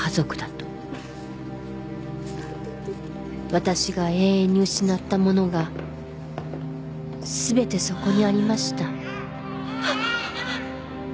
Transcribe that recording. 私が永遠に失ったものが全てそこにありました。